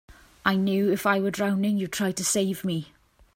I knew if I were drowning you'd try to save me.